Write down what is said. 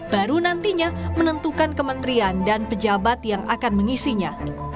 baru nantinya menentukan kementerian dan pejabat yang akan mengisinya